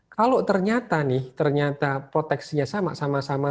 kalau ternyata nih ternyata proteksinya sama sama